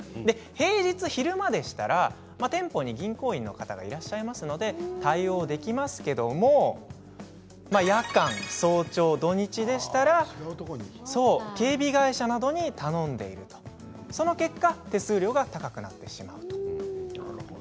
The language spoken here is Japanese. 平日、昼間でしたら店舗に銀行員の方がいらっしゃいますので対応できますけれども夜間、早朝、土日でしたら警備会社などに頼んでその結果手数料が高くなってしまう。